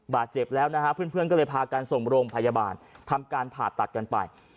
บาดเจ็บแล้วนะฮะเพื่อนก็เลยพากันส่งโรงพยาบาลทำการผ่าตัดกันไป